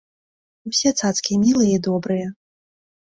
Усе цацкі мілыя і добрыя.